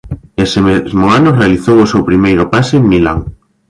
Ese mesmo ano realizou o seu primeiro pase en Milán.